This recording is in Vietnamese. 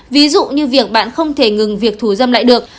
ví dụ như việc bạn không thể ngừng việc thù dâm lại được